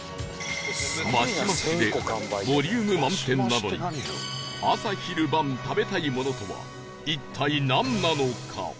マシマシでボリューム満点なのに朝昼晩食べたいものとは一体なんなのか？